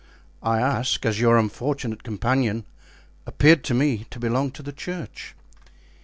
"I ask, as your unfortunate companion appeared to me to belong to the church."